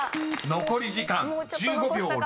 ［残り時間１５秒０７］